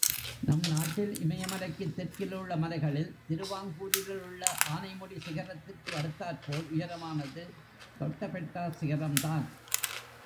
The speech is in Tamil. நம் நாட்டில் இமயமலைக்குத் தெற்கிலுள்ள மலைகளில், திருவாங்கூரிலுள்ள ஆனை முடி சிகரத்திற்கு அடுத்தாற்போல் உயரமானது தொட்டபெட்டா சிகரம்தான்.